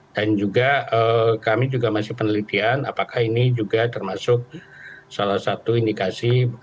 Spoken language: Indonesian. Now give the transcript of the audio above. dan juga kami masih penelitian apakah ini juga termasuk salah satu indikasi